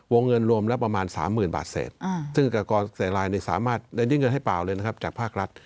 วงเงินรวมรับประมาณ๓๐๐๐๐บาทเสร็จซึ่งรากว้าแสนลายได้ได้เงินให้เปล่าเลยจากภาครัฐ